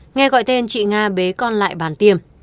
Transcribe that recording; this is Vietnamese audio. nghe gọi tên chị nga bế con lại bàn tiêm